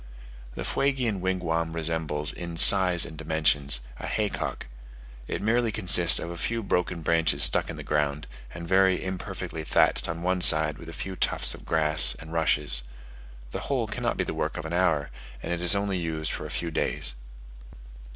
The Fuegian wigwam resembles, in size and dimensions, a haycock. It merely consists of a few broken branches stuck in the ground, and very imperfectly thatched on one side with a few tufts of grass and rushes. The whole cannot be the work of an hour, and it is only used for a few days.